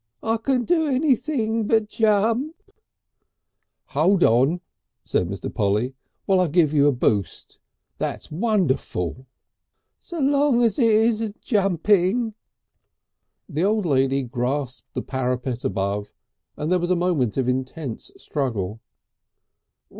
"I can do anything but jump." "Hold on!" said Mr. Polly, "while I give you a boost. That's wonderful." "So long as it isn't jumping...." The old lady grasped the parapet above, and there was a moment of intense struggle.